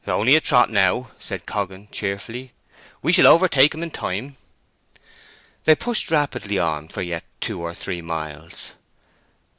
"Only a trot now," said Coggan, cheerfully. "We shall overtake him in time." They pushed rapidly on for yet two or three miles.